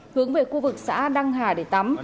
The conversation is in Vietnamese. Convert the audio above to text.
hướng về khu vực xã đăng hà để tắm